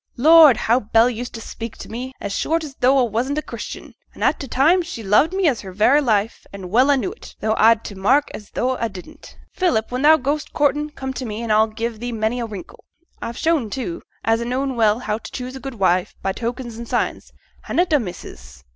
Lord! how Bell used to speak to me, as short as though a wasn't a Christian, an' a' t' time she loved me as her very life, an' well a knew it, tho' a'd to mak' as tho' a didn't. Philip, when thou goes courtin', come t' me, and a'll give thee many a wrinkle. A've shown, too, as a know well how t' choose a good wife by tokens an' signs, hannot a, missus?